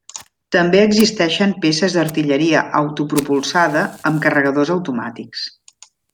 També existeixen peces d'artilleria autopropulsada amb carregadors automàtics.